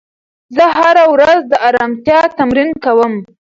زه هره ورځ د ارامتیا تمرین کوم.